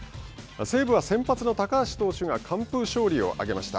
西武は先発の高橋投手が完封勝利を挙げました。